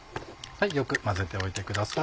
よく混ぜておいてください。